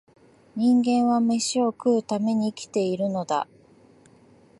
人間は、めしを食うために生きているのだ